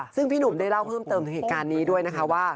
ซึ่งพี่หนุ่มได้เล่าเพิ่มเติมถึงเหตุการณ์นี้ด้วยนะคะว่า